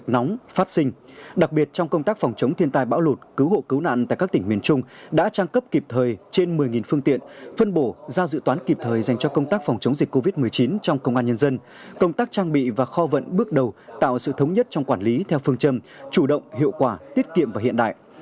nóng phát sinh đặc biệt trong công tác phòng chống thiên tai bão lụt cứu hộ cứu nạn tại các tỉnh miền trung đã trang cấp kịp thời trên một mươi phương tiện phân bổ giao dự toán kịp thời dành cho công tác phòng chống dịch covid một mươi chín trong công an nhân dân công tác trang bị và kho vận bước đầu tạo sự thống nhất trong quản lý theo phương châm chủ động hiệu quả tiết kiệm và hiện đại